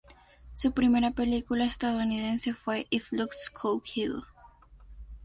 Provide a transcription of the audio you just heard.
Su primera película estadounidense fue "If Looks Could Kill".